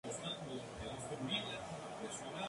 Florece en la estación lluviosa.